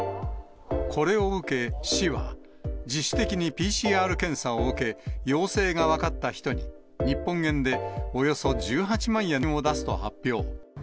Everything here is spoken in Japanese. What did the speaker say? これを受け、市は、自主的にＰＣＲ検査を受け、陽性が分かった人に、日本円でおよそ１８万円を出すと発表。